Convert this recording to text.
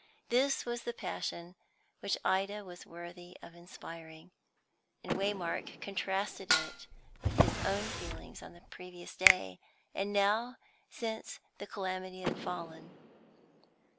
This was the passion which Ida was worthy of inspiring, and Waymark contrasted it with his own feelings on the previous day, and now since the calamity had fallen.